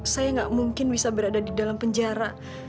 saya nggak mungkin bisa berada di dalam penjara